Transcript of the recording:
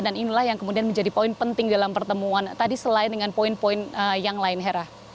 dan inilah yang kemudian menjadi poin penting dalam pertemuan tadi selain dengan poin poin yang lain hera